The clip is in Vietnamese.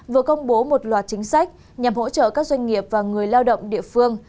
vừa công bố một loạt chính sách nhằm hỗ trợ các doanh nghiệp và người lao động địa phương